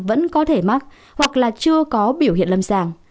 vẫn có thể mắc hoặc là chưa có biểu hiện lâm sàng